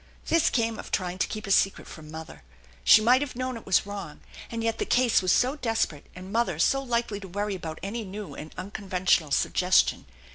This came of trying to keep a secret from mother. She might have known it was wrong, and yet the case was so desperate and mother so likely to worry about any new and unconventional suggestion.